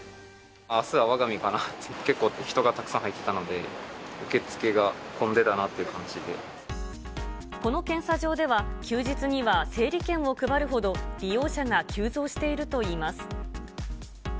あすはわが身かなって、結構、人がたくさん入ってたので、この検査場では、休日には整理券を配るほど利用者が急増しているといいます。